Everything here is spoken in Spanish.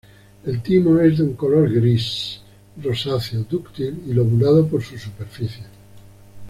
El timo es de un color gris rosáceo, dúctil, y lobulado por sus superficies.